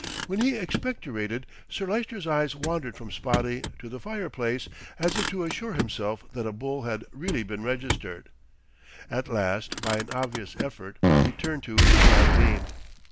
When he expectorated Sir Lyster's eyes wandered from Spotty to the fireplace, as if to assure himself that a bull had really been registered. At last by an obvious effort he turned to John Dene.